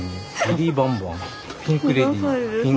ビリー・バンバン。